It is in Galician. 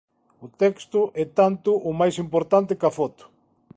O texto é tanto ou máis importante cá foto.